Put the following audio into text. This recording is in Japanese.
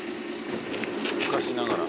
昔ながら。